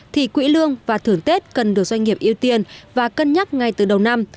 thì quỹ lương và thưởng tết cần được doanh nghiệp ưu tiên và cân nhắc ngay từ đầu năm